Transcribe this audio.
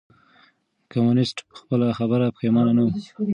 کمونيسټ په خپله خبره پښېمانه نه و.